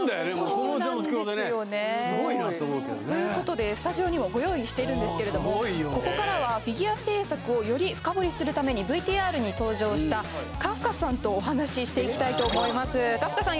この状況でねすごいなと思うけどねということでスタジオにもご用意しているんですけれどもここからはフィギュア制作をより深掘りするためにＶＴＲに登場したカフカさんとお話していきたいと思いますカフカさん